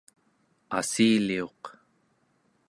assiliuq